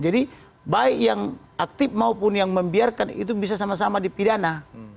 jadi baik yang aktif maupun yang membiarkan itu bisa sama sama dipidana